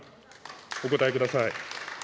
お答えください。